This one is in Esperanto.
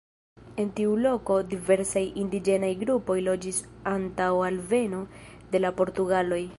En tiu loko diversaj indiĝenaj grupoj loĝis antaŭ alveno de la portugaloj.